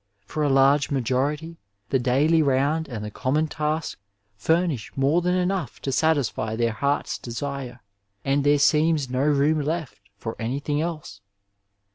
For a large ma jority the daily round and the common task furnish more than enough to satisfy their heart's desire, and there seems no room left for anything else.